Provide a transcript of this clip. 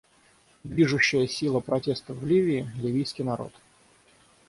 Движущая сила протестов в Ливии — ливийский народ.